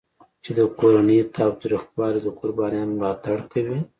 چې د کورني تاوتریخوالي د قربانیانو ملاتړ کوي.